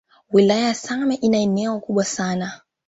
Wilaya ya same ina eneo kubwa sana